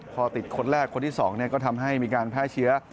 พอติดคนแรกคนที่๒เนี่ยก็ทำให้มีการแพ้เชียร์